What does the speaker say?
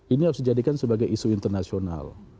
ini harus dijadikan sebagai isu internasional